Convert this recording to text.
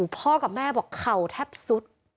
พ่อกับแม่บอกเข่าแทบสุด